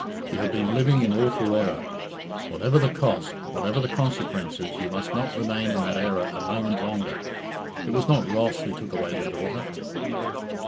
You have been living in awful error. Whatever the cost, whatever the consequences, you must not remain in that error a moment longer. It was not Ross who took away your daughter."